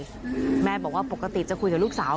แม่บอกว่าปกติจะคุยกับลูกสาว